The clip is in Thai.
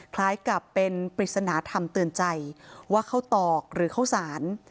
คล้ายกับเป็นปริศนธรรมเตือนใจว่าข้าวตอกหรือข้าวสาร